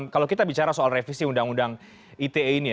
kalau kita bicara soal revisi undang undang ite ini